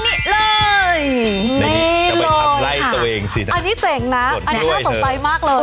นี่เลยค่ะอันนี้เศร้งนะน่าสนใจมากเลย